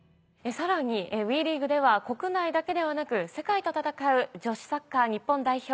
さらにＷＥリーグでは国内だけではなく世界と戦う女子サッカー日本代表